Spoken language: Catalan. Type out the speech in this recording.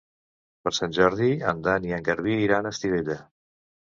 Per Sant Jordi en Dan i en Garbí iran a Estivella.